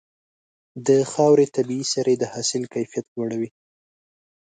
د خاورې طبيعي سرې د حاصل کیفیت لوړوي.